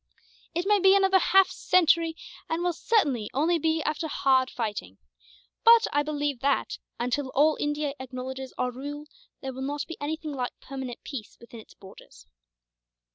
It may be another half century, and will certainly only be after hard fighting; but I believe that, until all India acknowledges our rule, there will not be anything like permanent peace within its borders."